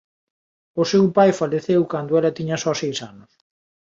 O seu pai faleceu cando ela tiña só seis anos.